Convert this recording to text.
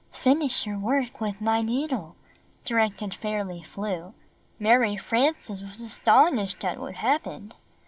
"Finish your work with my needle/' directed Fairly Flew. Mary Frances was astonished at what happened.